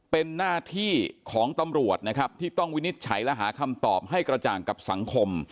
เป็นหน้าที่ของตำรวจนะครับที่ต้องวินิจฉัยและหาคำตอบให้กระจ่างกับสังคม